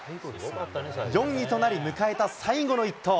４位となり迎えた最後の一投。